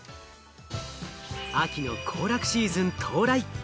秋の行楽シーズン到来。